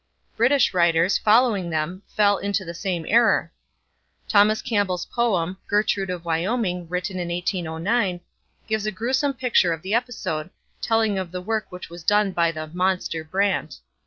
British writers, following them, fell into the same error. Thomas Campbell's poem, 'Gertrude of Wyoming,' written in 1809, gives a gruesome picture of the episode, telling of the work which was done by the 'monster Brant.'